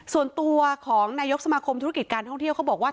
ส่วนตัวของนายกสมาคมธุรกิจการท่องเที่ยวเขาบอกว่า